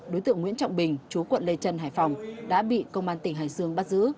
đối tượng nguyễn trọng bình chú quận lê trân hải phòng đã bị công an tỉnh hải dương bắt giữ